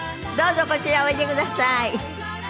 どうぞこちらへおいでください。